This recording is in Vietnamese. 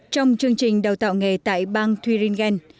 trong chương trình đào tạo nghề tại bang thủ hiến bang đức